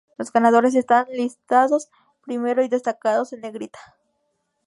Los ganadores están listados primero y destacados en negrita.